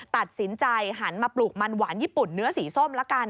ตัดสินใจหันมาปลูกมันหวานญี่ปุ่นเนื้อสีส้มละกัน